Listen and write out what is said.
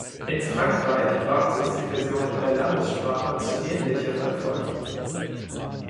In Frankreich brachte es die Version in der Landessprache zu ähnlichem Erfolg.